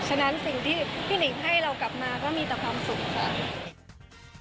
ฉะนั้นสิ่งที่พี่หนิงให้เรากลับมาก็มีแต่ความสุขค่ะ